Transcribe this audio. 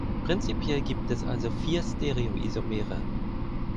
Prinzipiell gibt es also vier Stereoisomere.